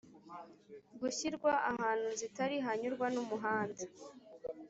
gushyirwa ahantu zitari hanyurwa n umuhanda